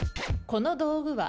この道具は？